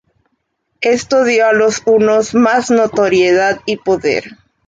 Esto dio a los hunos más notoriedad y poder.